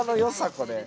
これ。